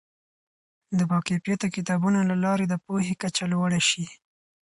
د باکیفیته کتابونو له لارې د پوهې کچه لوړه شي.